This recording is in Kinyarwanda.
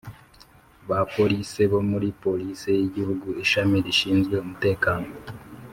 ba police bo muri police y’igihugu ishami rishinzwe umutekano